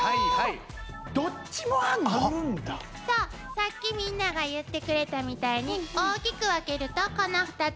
さっきみんなが言ってくれたみたいに大きく分けるとこの２つ。